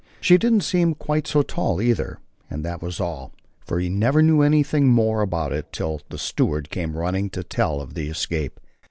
She didn't seem quite so tall, either, and that was all, for he never knew anything more about it till the steward came running to tell of the escape.